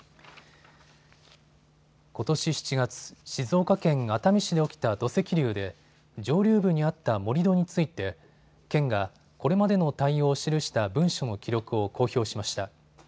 ことし７月、静岡県熱海市で起きた土石流で上流部にあった盛り土について県がこれまでの対応を記した文書の記録を公表しました。